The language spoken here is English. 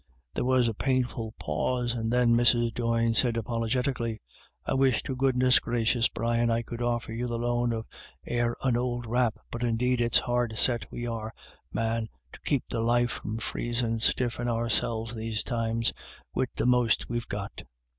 There was a painful pause, and then Mrs. Doyne said, apologetically :" I wish to goodness gracious, Brian, I could offer you the loan of e'er an ould wrap, but indeed it's hard set we are, man, to keep the life from freezin* stiff in ourselves these times, wid the most we've got."